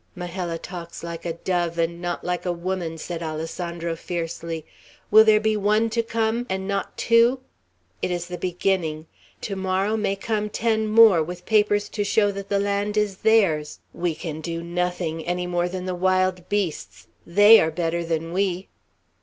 "Majella talks like a dove, and not like a woman," said Alessandro, fiercely. "Will there be one to come, and not two? It is the beginning. To morrow may come ten more, with papers to show that the land is theirs. We can do nothing, any more than the wild beasts. They are better than we."